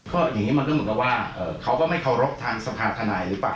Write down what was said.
ก็อย่างนี้มันก็เหมือนกับว่าเขาก็ไม่เคารพทางสภาธนายหรือเปล่า